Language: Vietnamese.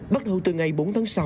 bắt đầu từ ngày bốn tháng sáu